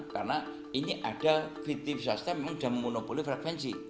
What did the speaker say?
karena ini ada fitif sistem yang sudah memonopoli frekuensi